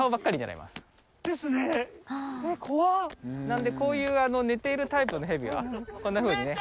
なのでこういう寝ているタイプのヘビはこんなふうにね。